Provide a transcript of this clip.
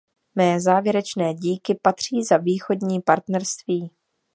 Mé závěrečné díky patří za Východní partnerství.